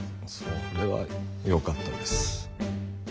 それはよかったです。